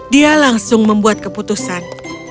dia langsung membuat keputusan